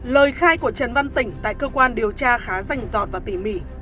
lời khai của trần văn tỉnh tại cơ quan điều tra khá rành rọt và tỉ mỉ